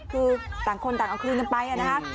คือต่างคนต่างเอาคืนกันไปนะคะ